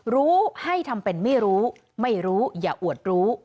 รู้ให้ทำเป็นไม่รู้ไม่รู้อย่าอวดรู้